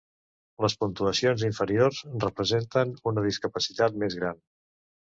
Les puntuacions inferiors representen una discapacitat més gran.